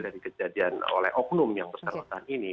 dari kejadian oleh oknum yang bersangkutan ini